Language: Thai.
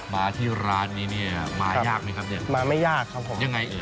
มาไม่ยากครับผม